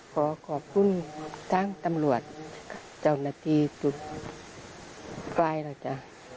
ขอขอบคุณทั้งตำรวจเจ้าหน้าที่ชุดใกล้แล้วจ้ะ